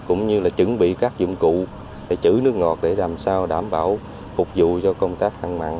cũng như là chuẩn bị các dụng cụ để chữ nước ngọt để làm sao đảm bảo phục vụ cho công tác hạn mặn